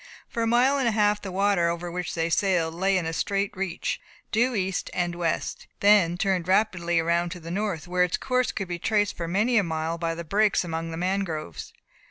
For a mile and a half the water over which they sailed, lay in a straight reach, due east and west, then turned rapidly round to the north, where its course could be traced for many a mile by the breaks among the mangroves.